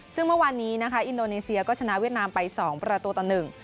ซึ่งเมื่อวานนี้นะคะอินโดนีเซียก็ชนะเวียดนามไปสองประตูต่อหนึ่ง